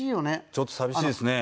ちょっと寂しいですね。